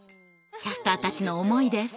キャスターたちの思いです。